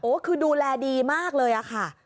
คือดูแลดีมากเลยค่ะ